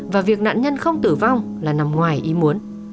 và việc nạn nhân không tử vong là nằm ngoài ý muốn